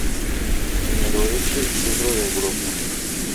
En el oeste y centro de Europa.